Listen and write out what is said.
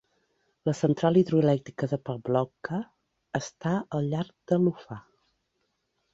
La central hidroelèctrica de Pavlovka està al llarg de l'Ufa.